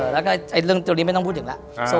และเรื่องจะที่นี้ไม่ต้องพูดจังนะ